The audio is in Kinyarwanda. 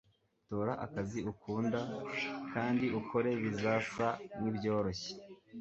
Tora akazi ukunda kandi ukora bizasa nkibyoroshye